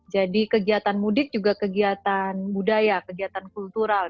jadi kegiatan mudik juga kegiatan budaya kegiatan kultural